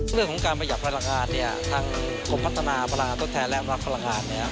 เรื่องของการประหยัดพลังงานเนี่ยทางกรมพัฒนาพลังทดแทนและอนุรักษ์พลังงานเนี่ย